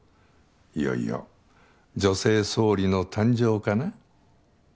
いよいよ女性総理の誕生かな。